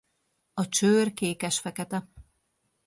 A csőr kékesfekete.